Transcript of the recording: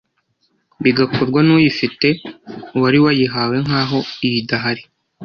bigakorwa n’uyifite wari wayihawe nk’aho iyo idahari